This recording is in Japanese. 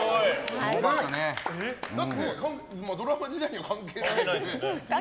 だって、ドラマ自体には関係ないですよね。